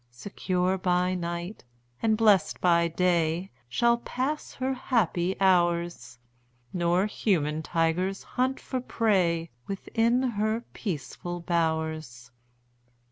Secure by night, and blest by day, Shall pass her happy hours; Nor human tigers hunt for prey Within her peaceful bowers.